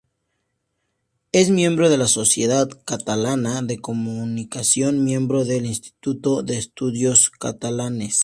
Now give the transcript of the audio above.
Es miembro de la Sociedad Catalana de Comunicación, miembro del Instituto de Estudios Catalanes.